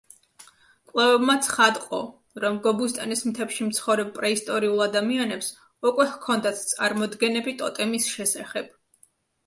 კვლევებმა ცხადყო, რომ გობუსტანის მთებში მცხოვრებ პრეისტორიულ ადამიანებს უკვე ჰქონდათ წარმოდგენები ტოტემის შესახებ.